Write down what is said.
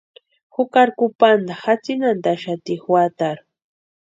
Jukari kupanta jatsinhantaxati juatarhu.